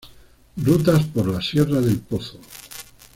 Rutas por la Sierra del Pozo